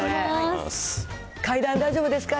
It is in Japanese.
階段大丈夫ですか？